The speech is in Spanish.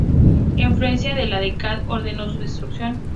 Enfurecida la deidad ordenó su destrucción.